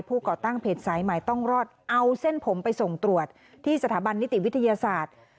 ก่อตั้งเพจสายใหม่ต้องรอดเอาเส้นผมไปส่งตรวจที่สถาบันนิติวิทยาศาสตร์